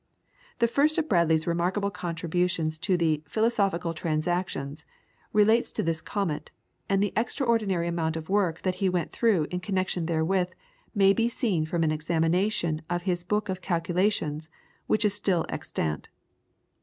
The first of Bradley's remarkable contributions to the "Philosophical Transactions" relates to this comet, and the extraordinary amount of work that he went through in connection therewith may be seen from an examination of his book of Calculations which is still extant.